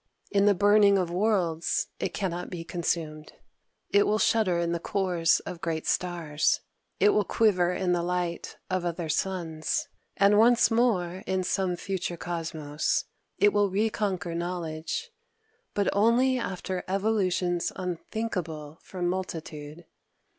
In the burning of worlds it cannot be consumed. It will shudder in the cores of great stars; it will quiver in the light of other suns. And once more, in some future cosmos, it will reconquer knowledge but only after evolutions unthinkable for multitude.